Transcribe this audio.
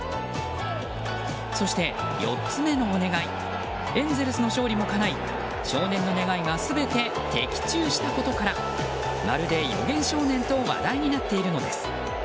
そして４つ目のお願いエンゼルスの勝利もかない少年の願いが全て的中したことからまるで予言少年と話題になっているのです。